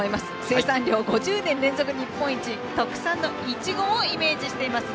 生産量５０年連続日本一特産のいちごをイメージしています。